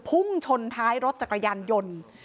พุ่งชนท้ายรถจักรยานยนต์